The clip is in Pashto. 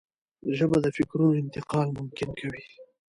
ژبه د فکرونو انتقال ممکن کوي